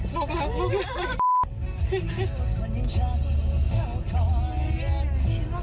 ใหม่พูดไงไม่เข้าไปล้อเลี่ยง